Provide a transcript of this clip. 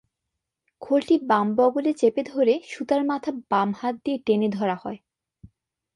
খোলটি বাম বগলে চেপে ধরে সুতার মাথা বাম হাত দিয়ে টেনে ধরা হয়।